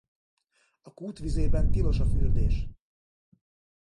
A kút vizében tilos a fürdés!